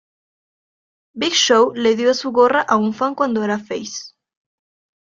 Big Show le dio su gorra a un fan cuando era face.